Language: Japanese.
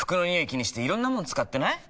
気にしていろんなもの使ってない？